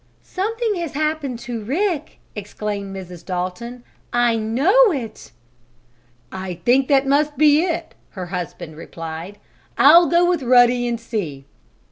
"Something has happened to Rick!" exclaimed Mrs. Dalton. "I know it!" "I think that must be it," her husband replied. "I'll go with Ruddy and see."